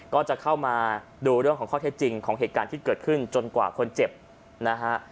ก็จะเข้ามาดูเรื่องของข้อเท็จจริงของเหตุการณ์ที่เกิดขึ้นจนกว่าคนเจ็บนะฮะ